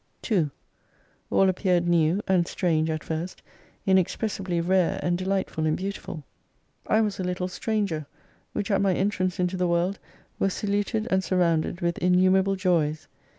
2 All appeared new, and strange at first, inexpressibly rare and delightful and beautiful. I was a little stranger, 1S6 which at my entrance into the world was saluted and surrounded with innumerable joys.